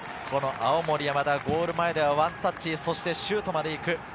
青森山田、ゴール前ではワンタッチ、シュートまで行く。